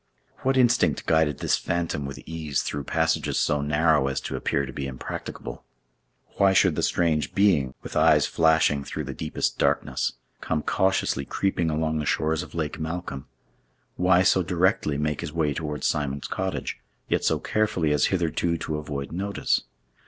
What instinct guided this phantom with ease through passages so narrow as to appear to be impracticable? Why should the strange being, with eyes flashing through the deepest darkness, come cautiously creeping along the shores of Lake Malcolm? Why so directly make his way towards Simon's cottage, yet so carefully as hitherto to avoid notice?